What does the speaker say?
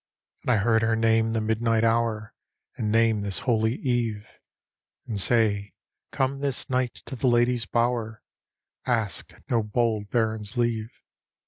" And I heard her name the midnight hour, And name this holy eve; And say ' Come this night to thy lady's bower. Ask no bold Baron's leave.